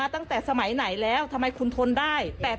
ตั้งแต่เลิกทำกิจการเล็ก